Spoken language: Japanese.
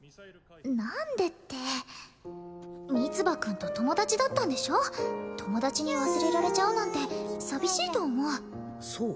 何でってミツバくんと友達だったんでしょ友達に忘れられちゃうなんて寂しいと思うそう？